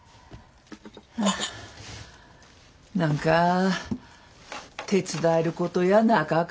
何か手伝えることやなかか。